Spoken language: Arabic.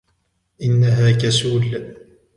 انها كسول.